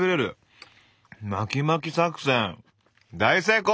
巻き巻き作戦大成功！